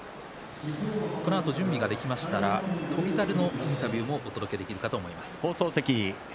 このあと準備ができましたら翔猿のインタビューもお届けできるかと思います。